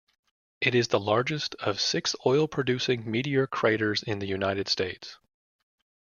It is the largest of six oil-producing meteor craters in the United States.